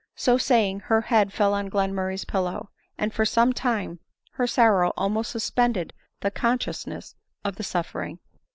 So saying, her head, fell on Glenmurray's pillow; and for some time, her sorrow almost suspended the consciousness of suffering.